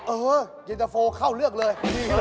เออเย็นตะโฟเข้าเลือกเลย